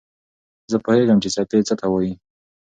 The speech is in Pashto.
زه پوهېږم چې څپې څه ته وايي.